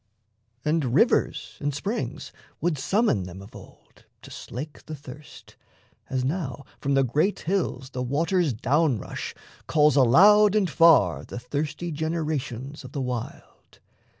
And rivers and springs would summon them of old To slake the thirst, as now from the great hills The water's down rush calls aloud and far The thirsty generations of the wild.